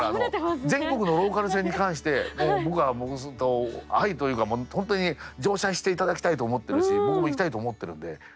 全国のローカル線に関してもう僕は愛というかもう本当に乗車していただきたいと思ってるし僕も行きたいと思ってるんで。